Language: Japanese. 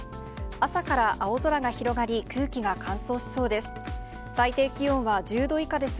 朝から青空が広がり、空気が乾燥しそうです。